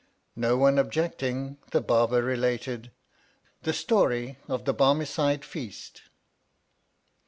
No one objecting, the j;, irb<T related : THE STORT OF THE BARMECIDE FEAST.